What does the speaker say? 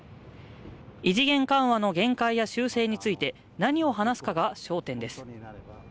異次元緩和の限界や修正について何を話すかが焦点です。